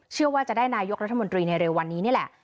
เชื่อว่าจะได้นายกรัฐมนตรีในเร็ววันนี้นี่แหละ